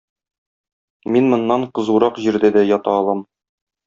Мин моннан кызурак җирдә дә ята алам.